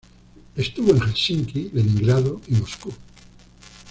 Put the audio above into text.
Estuvo en Helsinki, Leningrado y Moscú.